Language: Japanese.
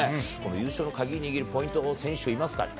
優勝の鍵を握るポイントの選手、いますかね？